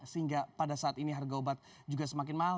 sehingga pada saat ini harga obat juga semakin mahal